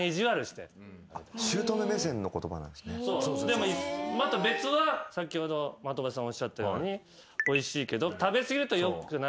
でも別は先ほど的場さんおっしゃったようにおいしいけど食べ過ぎるとよくないので。